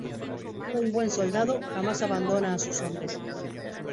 Un buen soldado jamás abandona a sus hombres.